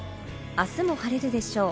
あすも晴れるでしょう。